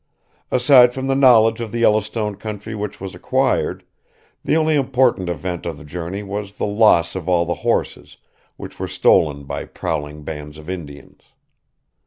Aside from the knowledge of the Yellowstone country which was acquired, the only important event of the journey was the loss of all the horses, which were stolen by prowling bands of Indians.